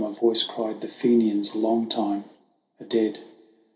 A voice cried, "The Fenians a long time are dead."